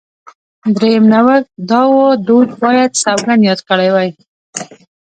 درېیم نوښت دا و دوج باید سوګند یاد کړی وای.